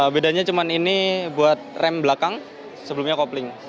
bedanya cuma ini buat rem belakang sebelumnya kopling